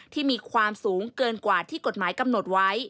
ที่มีความสูงเกินกว่าที่กฎหมายกำหนดไว้